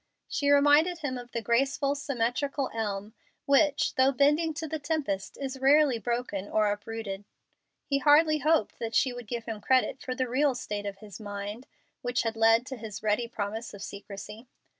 She reminded him of the graceful, symmetrical elm, which, though bending to the tempest, is rarely broken or uprooted. He hardly hoped that she would give him credit for the real state of his mind which had led to his ready promise of secrecy.